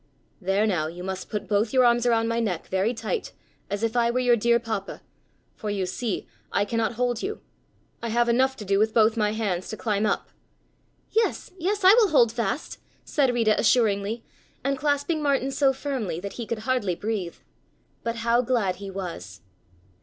"There, now you must put both your arms around my neck, very tight, as if I were your dear papa, for you see, I cannot hold you. I have enough to do, with both my hands, to climb up." "Yes, yes, I will hold fast," said Rita assuringly and clasping Martin so firmly that he could hardly breathe. But how glad he was!